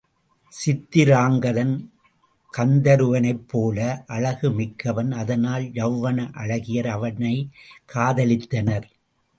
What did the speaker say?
சித்திராங்கதன் கந்தருவனைப்போல அழகு மிக்கவன் அதனால் யவ்வன அழகியர் அவனைக் காதலித்தனர்.